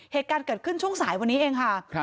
เหตุการณ์เกิดขึ้นช่วงสายวันนี้เองค่ะ